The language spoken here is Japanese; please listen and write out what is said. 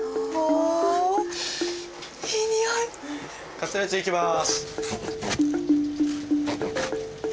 カツレツいきます。